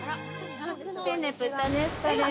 ペンネプッタネスカです。